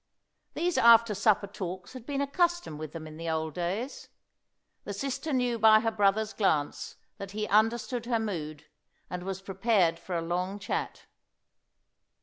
These after supper talks had been a custom with them in the old days. The sister knew by her brother's glance that he understood her mood, and was prepared for a long chat.